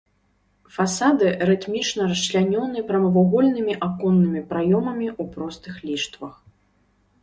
Фасады рытмічна расчлянёны прамавугольнымі аконнымі праёмамі ў простых ліштвах.